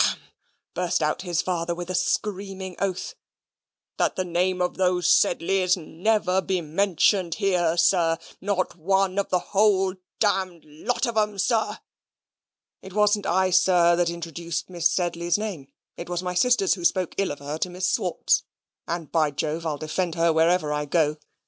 burst out his father with a screaming oath "that the name of those Sedleys never be mentioned here, sir not one of the whole damned lot of 'em, sir." "It wasn't I, sir, that introduced Miss Sedley's name. It was my sisters who spoke ill of her to Miss Swartz; and by Jove I'll defend her wherever I go.